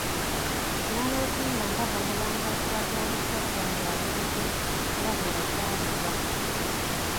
Naloose nga ndaba omulangaatira gw'omusajja ng'ali bute nga bwe yazaalibwa!